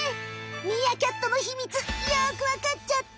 ミーアキャットのヒミツよくわかっちゃった。